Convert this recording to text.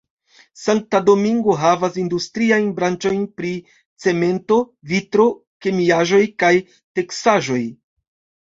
Sankta Domingo havas industriajn branĉojn pri cemento, vitro, kemiaĵoj kaj teksaĵoj.